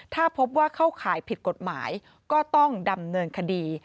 ถ้าพบว่าเข้าข่ายผิดกฎหมายก็ต้องดำเนินคดี